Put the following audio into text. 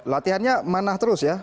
latihannya mana terus ya